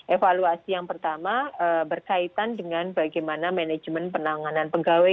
evaluasi yang pertama berkaitan dengan bagaimana manajemen penanganan pegawai